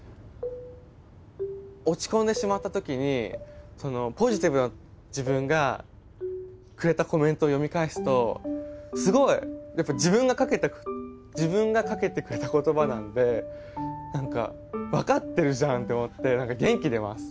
落ち込んでしまった時にポジティブな自分がくれたコメントを読み返すとすごいやっぱ自分がかけてくれた言葉なんで「分かってるじゃん！」って思って何か元気出ます！